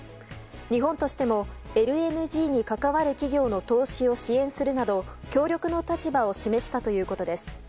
日本としてもＬＮＧに関わる企業の支援するなど、協力の立場を示したということです。